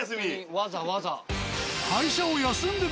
わざわざ。